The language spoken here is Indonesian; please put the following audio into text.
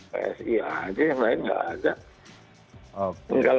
psi aja yang lain nggak ada